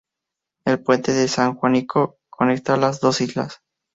El puente de San Juanico conecta las dos islas.